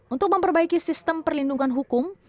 untuk memperbaiki sistem perlindungan hukum